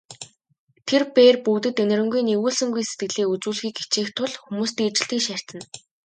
Тэр бээр бүгдэд энэрэнгүй, нигүүлсэнгүй сэтгэлийг үзүүлэхийг хичээх тул хүмүүстэй ижил тэгш харьцана.